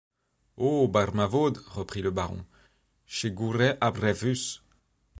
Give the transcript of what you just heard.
Oh! bar ma vôde, reprit le baron, che gourais abrès fûs...